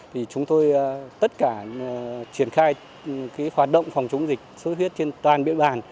thì chúng tôi tất cả triển khai cái hoạt động phòng chống dịch xuất huyết trên toàn biện bản